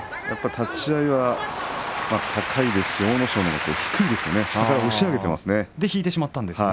立ち合いは高いですし阿武咲のほうが低いですね。